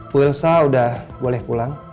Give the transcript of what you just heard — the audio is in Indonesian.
bu ilsa udah boleh pulang